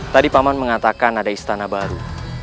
tadi paman mengatakan ada istana baru